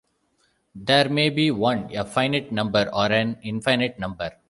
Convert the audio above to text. There may be one, a finite number, or an infinite number.